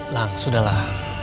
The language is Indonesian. lang sudah lah